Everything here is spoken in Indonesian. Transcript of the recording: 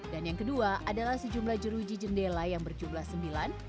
dan yang kedua adalah sejumlah jeruji jendela yang berjumlah sembilan